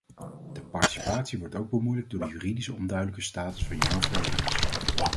De participatie wordt ook bemoeilijkt door de juridisch onduidelijke status van jonge vrijwilligers.